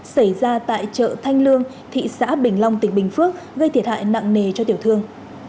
xảy ra tại chợ thanh lương thị xã bình long tỉnh bình phước gây thiệt hại nặng nề cho tiểu thương